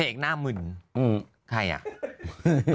แสดงแหน่ะรู้ดีนะเธอล่ะ